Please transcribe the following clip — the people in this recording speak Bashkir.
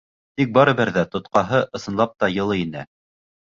Тик барыбер ҙә тотҡаһы, ысынлап та, йылы ине.